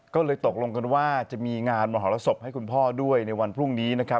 ก็เลยตกลงกันว่าจะมีงานมหรสบให้คุณพ่อด้วยในวันพรุ่งนี้นะครับ